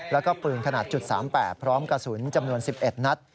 แล้วก็ปืนขนาด๓๘พร้อมกระสุนจำนวน๑๑นัด